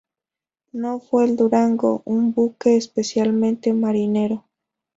No fue el "Durango" un buque especialmente marinero.